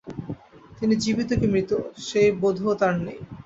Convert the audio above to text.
তিনি জীবিত কি মৃত, সেই বোধও তাঁর নেই।